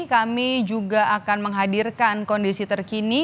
kami juga akan menghadirkan kondisi terkini